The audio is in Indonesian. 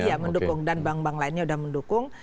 iya mendukung dan bank bank lainnya sudah mendukung